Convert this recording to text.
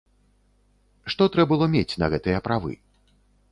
Што трэ было мець на гэтыя правы?